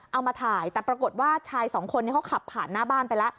เอามาถ่ายแต่ปรากฏว่าชายสองคนนี้เขาขับผ่านหน้าบ้านไปแล้ว